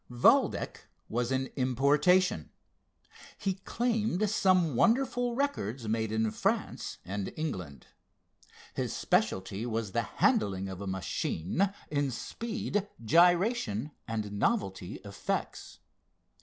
Valdec was an importation. He claimed some wonderful records made in France and England. His specialty was the handling of a machine in speed, gyration and novelty effects.